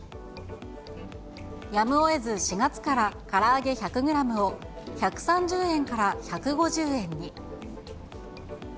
やむをえず、４月からから揚げ１００グラムを、１３０円から１５０円に。